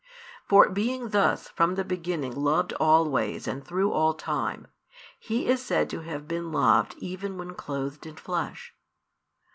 For being thus from the beginning loved always and through all time, He is said to have been loved even when clothed in flesh.